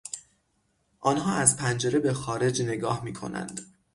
آنها از پنجره بهخارج نگاه میکنند.